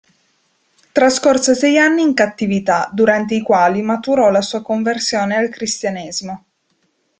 Trascorse sei anni in cattività, durante i quali maturò la sua conversione al cristianesimo.